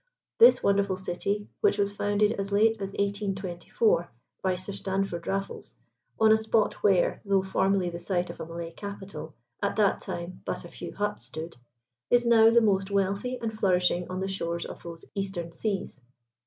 This wonderful city, which was founded as late as 1824 by Sir Stamford Raffles, on a spot where, though formerly the site of a Malay capital, at that time but a few huts stood, is now the most wealthy and flourishing on the shores of those eastern seas.